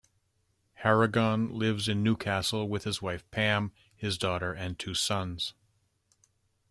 Harragon lives in Newcastle with his wife Pam, his daughter and two sons.